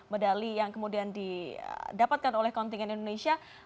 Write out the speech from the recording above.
medali yang kemudian didapatkan oleh kontingen indonesia